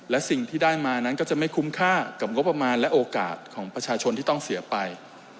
และสิ่งที่ได้มานั้นก็จะไม่คุ้มค่ากับงบประมาณและโอกาสของประชาชนที่ต้องเสียไป